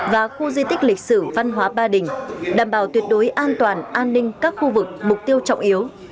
và khu di tích lịch sử văn hóa ba đình đảm bảo tuyệt đối an toàn an ninh các khu vực mục tiêu trọng yếu